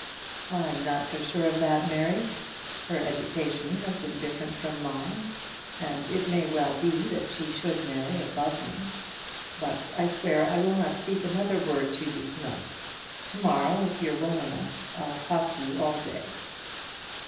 "I'm not so sure of that, Mary. Her education has been different from mine, and it may well be that she should marry above me. But I swear I will not speak another word to you to night. To morrow, if you're well enough, I'll talk to you all day."